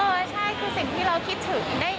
เฮ่ยอันนี้แหละมันคือสิ่งที่เราคิดถึง